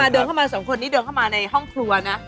เดินเข้ามาสองคนนี้เดินเข้ามาในห้องครัวนะ